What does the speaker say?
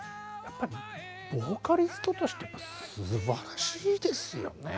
ボーカリストとしてすばらしいですよね。